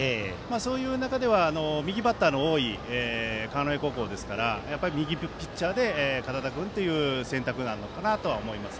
そういう中では右バッターの多い川之江高校ですから右ピッチャーで堅田君という選択なのかと思います。